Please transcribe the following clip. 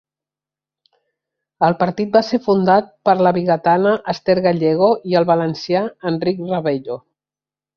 El partit va ser fundat per la vigatana Ester Gallego i al valencià Enric Ravello.